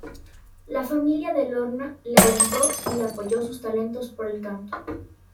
La familia de Lorna le alentó y le apoyó sus talentos por el canto.